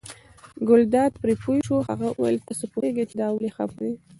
ګلداد پرې پوه شو، هغه وویل تاسې پوهېږئ چې دا ولې خپه دی.